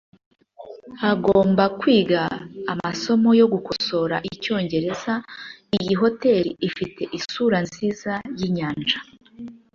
Agomba kwiga amasomo yo gukosora mucyongereza. Iyi hoteri ifite isura nziza yinyanja.